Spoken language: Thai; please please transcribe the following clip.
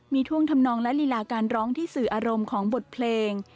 มีท่วงทำนองและลีลาการร้องที่สื่ออารมณ์ของบทเพลง